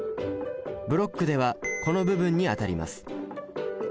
ブロックではこの部分にあたります。